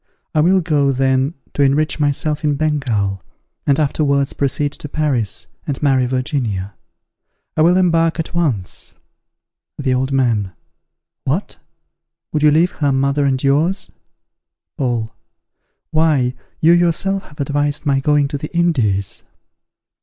I will go, then, to enrich myself in Bengal, and afterwards proceed to Paris, and marry Virginia. I will embark at once. The Old Man. What! would you leave her mother and yours? Paul. Why, you yourself have advised my going to the Indies.